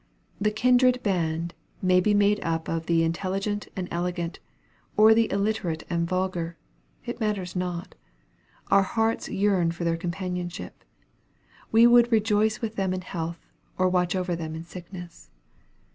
The "kindred band" may be made up of the intelligent and elegant, or of the illiterate and vulgar; it matters not. Our hearts yearn for their companionship. We would rejoice with them in health, or watch over them in sickness.